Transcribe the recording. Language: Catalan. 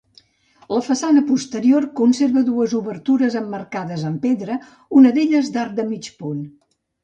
La façana posterior conserva dues obertures emmarcades amb pedra, una d'elles d'arc de mig punt.